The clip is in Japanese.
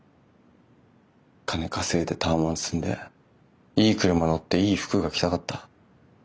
金稼いでタワマン住んでいい車乗っていい服が着たかった。